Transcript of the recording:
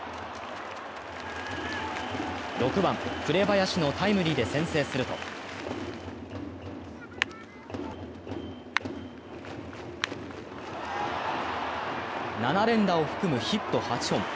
６番・紅林のタイムリーで先制すると７連打を含むヒット８本。